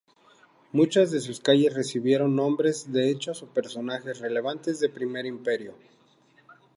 Muchas de sus calles recibieron nombres de hechos o personajes relevantes del Primer Imperio.